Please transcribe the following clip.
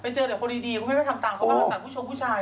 ไปเจอเดี๋ยวคนดีพี่กะละแม่ไม่ต้องตามเขาบ้างแต่ผู้ชมผู้ชาย